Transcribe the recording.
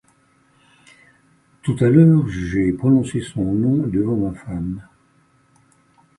Tout à l'heure, j'ai prononcé son nom devant ma femme.